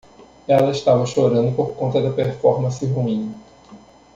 Ela estava chorando por conta da performance ruim.